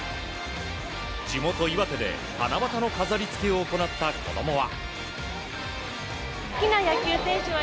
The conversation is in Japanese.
地元・岩手で七夕の飾りをつけを行った子供は。